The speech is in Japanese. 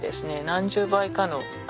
何十倍かの食物